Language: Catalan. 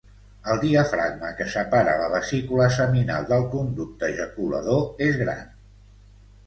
El diafragma, que separa la vesícula seminal del conducte ejaculador, és gran.